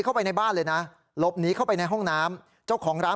เข้าไปในบ้านเลยนะหลบหนีเข้าไปในห้องน้ำเจ้าของร้าน